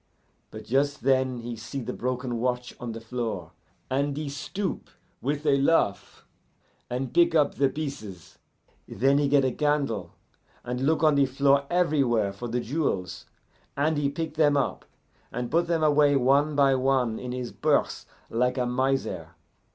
But just then he see the broken watch on the floor, and he stoop, with a laugh, and pick up the pieces; then he get a candle and look on the floor everywhere for the jewels, and he pick them up, and put them away one by one in his purse like a miser.